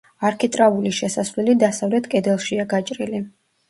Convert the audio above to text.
არქიტრავული შესასვლელი დასავლეთ კედელშია გაჭრილი.